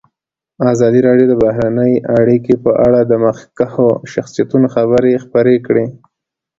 ازادي راډیو د بهرنۍ اړیکې په اړه د مخکښو شخصیتونو خبرې خپرې کړي.